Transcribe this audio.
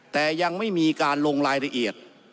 แต่ยังไม่มีการลงรายละเอียด